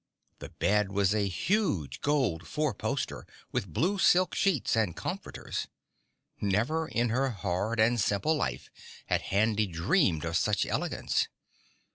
The bed was a huge gold four poster with blue silk sheets and comforters. Never in her hard and simple life had Handy dreamed of such elegance!